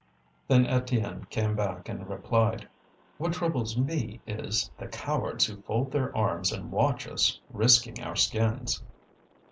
Then Étienne came back and replied: "What troubles me is, the cowards who fold their arms and watch us risking our skins."